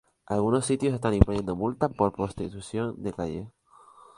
Algunos sitios están imponiendo multa para prostitución de calle.